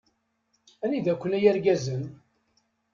Anida-ken a yirgazen?